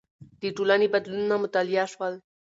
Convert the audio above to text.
د ټولنې بدلونونه مطالعه شول.